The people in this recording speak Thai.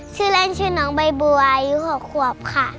ชื่อเล่นชื่อน้องใบบัวอายุ๖ขวบค่ะ